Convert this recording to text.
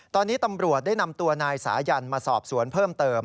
ตอนนี้ตำรวจได้นำตัวนายสายันมาสอบสวนเพิ่มเติม